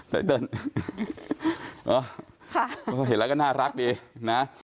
เห็นแล้วก็น่ารักดีนะ